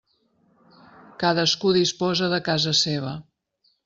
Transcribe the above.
Cadascú disposa de casa seva.